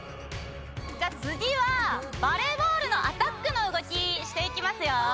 じゃあつぎはバレーボールのアタックのうごきしていきますよ！